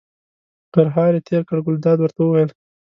غرهار یې تېر کړ، ګلداد ورته وویل.